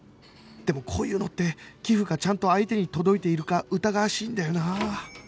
でもこういうのって寄付がちゃんと相手に届いているか疑わしいんだよな